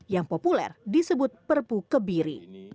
yang populer disebut perpu kebiri